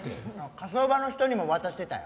火葬場の人にも渡してたよ。